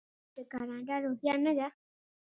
آیا دا د کاناډا روحیه نه ده؟